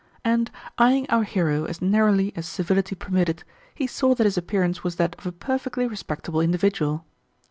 And, eyeing our hero as narrowly as civility permitted, he saw that his appearance was that of a perfectly respectable individual.